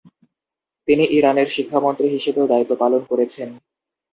তিনি ইরানের শিক্ষামন্ত্রী হিসেবেও দায়িত্ব পালন করেছেন।